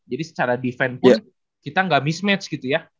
jadi secara defense pun kita gak mismatch gitu ya